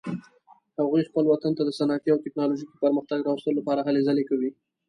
هغوی خپل وطن ته د صنعتي او تکنالوژیکي پرمختګ راوستلو لپاره هلې ځلې کوي